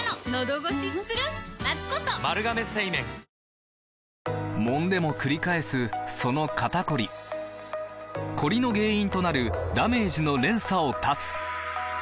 「トイレマジックリン」もんでもくり返すその肩こりコリの原因となるダメージの連鎖を断つ！